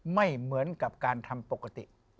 ไม่เหมือนกับการทำปกติ